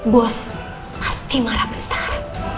bos pasti marah besar